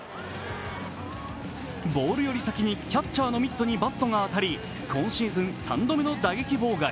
ボールより先にキャッチャーのミットにバットが当たり、今シーズン３度目の打撃妨害。